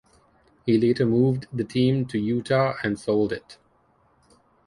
He later moved the team to Utah and sold it.